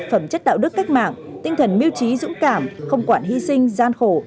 phẩm chất đạo đức cách mạng tinh thần mưu trí dũng cảm không quản hy sinh gian khổ